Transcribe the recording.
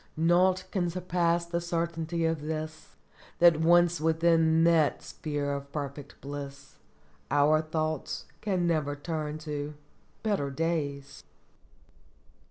Naught can surpass the certainty of this: That once within that sphere of perfect bliss, Our thoughts can never turn to ' better days